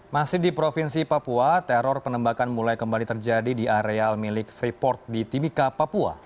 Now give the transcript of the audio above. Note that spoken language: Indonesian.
masih di provinsi papua teror penembakan mulai kembali terjadi di areal milik freeport di timika papua